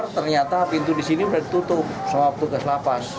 ternyata pintu di sini sudah ditutup sama petugas lapas